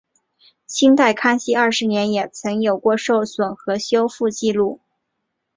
清代康熙二十年也曾有过受损和修复纪录。